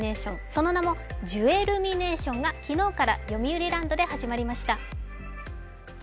その名も、ジュエルミネーションが昨日からよみうりランドで始まりました。